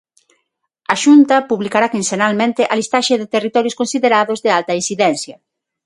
A Xunta publicará quincenalmente a listaxe de territorios considerados de alta incidencia.